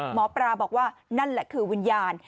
หมอปลาบอกว่านั่นแหละคือวิญญาณ